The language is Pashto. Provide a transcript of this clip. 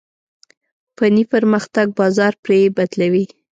فني پرمختګ بازار پرې بدلوي.